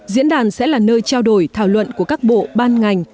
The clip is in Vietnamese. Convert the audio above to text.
diễn đàn sẽ là nơi trao đổi thảo luận của các bộ ban ngành